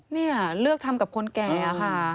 เนี่ยเลือกทำกับคนแก่ค่ะ